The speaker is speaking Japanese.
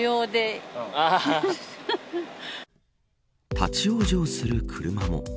立ち往生する車も。